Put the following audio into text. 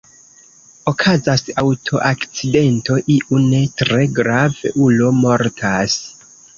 Okazas aŭtoakcidento, iu ne-tre-grav-ulo mortas.